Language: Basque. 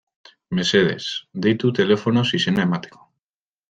Mesedez, deitu telefonoz izena emateko.